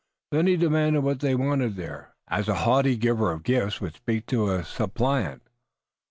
Then he demanded what they wanted there, as a haughty giver of gifts would speak to a suppliant.